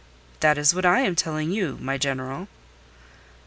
"That is what I am telling you, my General."